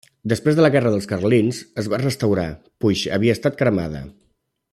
Després de la guerra dels carlins, es va restaurar, puix havia estat cremada.